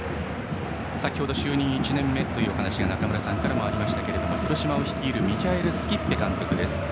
先ほど就任１年目というお話が中村さんからもありましたが広島を率いるのはミヒャエル・スキッベ監督です。